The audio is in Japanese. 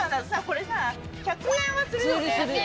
これさ１００円はするよね。